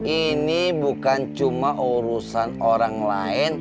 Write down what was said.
ini bukan cuma urusan orang lain